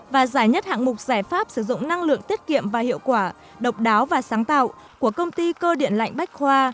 và giải nhất hạng mục giải pháp sử dụng năng lượng tiết kiệm và hiệu quả độc đáo và sáng tạo của công ty cơ điện lạnh bách khoa